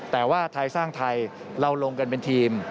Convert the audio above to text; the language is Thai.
แต่ว่าไทยสร้างไทยเราลงกันเป็นทีม